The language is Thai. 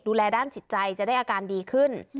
ดูแลด้านจิตใจจะได้อาการดีขึ้น